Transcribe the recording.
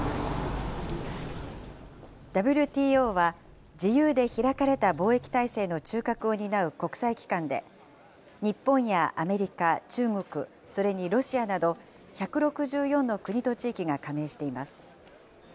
ＷＴＯは自由で開かれた貿易体制の中核を担う国際機関で、日本やアメリカ、中国、それにロシアなど、１６４の国と地域が加盟しています。